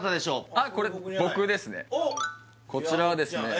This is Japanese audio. あこれ僕ですねこちらはですね